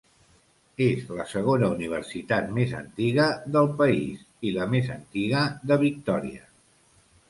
És la segona universitat més antiga del país, i la més antiga de Victòria.